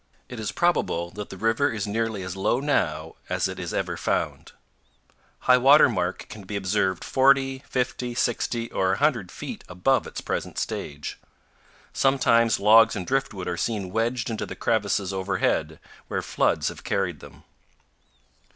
It is probable that the river is nearly as low now as it is ever found. High water mark can be observed 40, 50, 60, or 100 feet above its present stage. Sometimes logs and driftwood are seen wedged into the crevices over head, where floods have carried them.